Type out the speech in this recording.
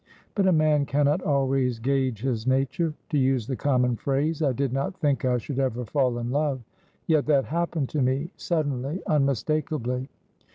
But a man cannot always gauge his nature. To use the common phrase, I did not think I should ever fall in love; yet that happened to me, suddenly, unmistakably.